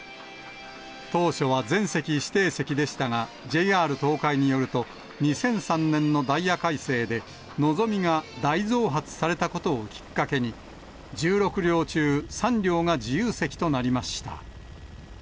当初は全席指定席でしたが、ＪＲ東海によると、２００３年のダイヤ改正で、のぞみが大増発されたことをきっかけに、１６両中３両が自由席となりました。